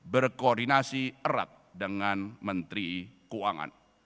berkoordinasi erat dengan menteri keuangan